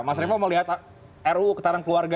mas revo mau lihat ruu ketahanan keluarga